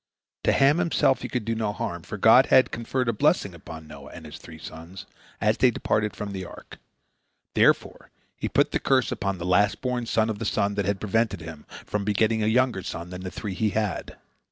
To Ham himself he could do no harm, for God had conferred a blessing upon Noah and his three sons as they departed from the ark. Therefore he put the curse upon the last born son of the son that had prevented him from begetting a younger son than the three he had.